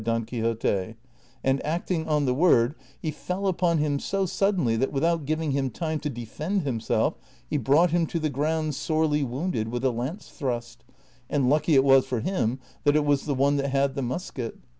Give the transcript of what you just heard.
Don Quixote, and acting on the word lie fell upon him so sud denly that without giving him time to defend himself he brought hinr to the ground sorely wounded with a lance thrust, and lucky ti was for him that it was the one that had the musket.